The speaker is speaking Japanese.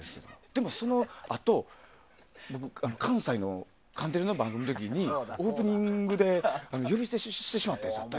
でも、そのあと関テレの番組の時にオープニングで呼び捨てしてしまって。